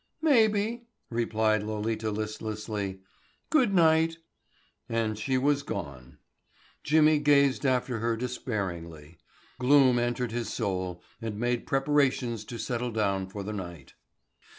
"Maybe," replied Lolita listlessly. "Good night." And she was gone. Jimmy gazed after her despairingly. Gloom entered his soul and made preparations to settle down for the night.